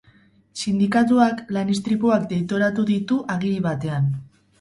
Sindikatuak lan istripuak deitoratu ditu agiri batean.